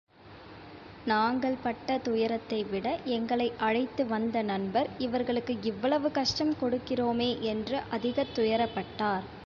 நாங்கள் பட்ட துயரத்தைவிட எங்களை அழைத்துவந்த நண்பர், இவர்களுக்கு இவ்வளவு கஷ்டம் கொடுக்கிறோமே என்று அதிகத் துயரப்பட்டார்.